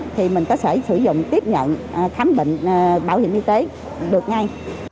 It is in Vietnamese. thì mình có thể sử dụng tiếp nhận khám bệnh bảo hiểm y tế được ngay